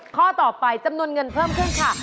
ข้อต่อไปจำนวนเงินเพิ่มขึ้นค่ะ